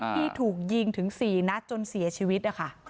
ที่ถูกยิงถึง๔นัดจนเสียชีวิตนะคะ